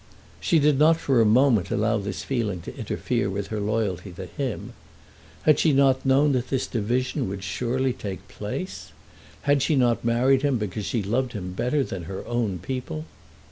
She did not for a moment allow this feeling to interfere with her loyalty to him. Had she not known that this division would surely take place? Had she not married him because she loved him better than her own people?